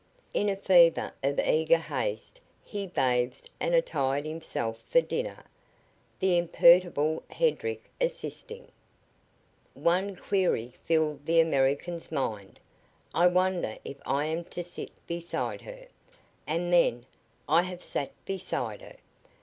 In a fever of eager haste he bathed and attired himself for dinner, the imperturbable Hedrick assisting. One query filled the American's mind: "I wonder if I am to sit beside her." And then: "I have sat beside her!